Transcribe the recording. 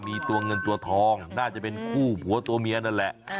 มีตัวเงินตัวทองน่าจะเป็นคู่ผัวตัวเมียนั่นแหละ